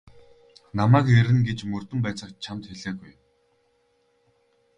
Намайг ирнэ гэж мөрдөн байцаагч чамд хэлээгүй.